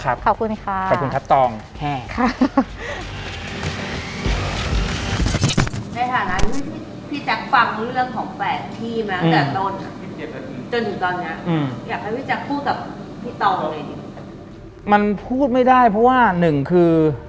หลังจากนั้นเราไม่ได้คุยกันนะคะเดินเข้าบ้านอืม